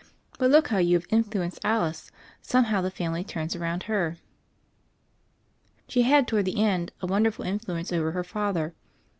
"But look how you have influenced Alice; somehow, the family turns about her. She had, toward the end, a wonderful influence over her father.